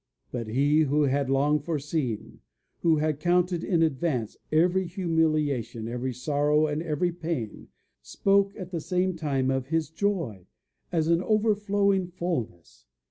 But he who had long foreseen who had counted in advance every humiliation, every sorrow, and every pain, spoke at the same time of his joy as an overflowing fullness.